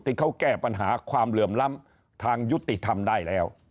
ที่เขาแก้ปัญหาความเหลื่อมล้ำทางยุติธรรมได้แล้ว